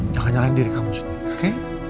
jangan nyalahin diri kamu sud oke